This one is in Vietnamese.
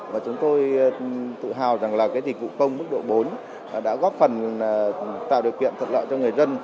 và chúng tôi tự hào rằng là cái dịch vụ công mức độ bốn đã góp phần tạo điều kiện thuận lợi cho người dân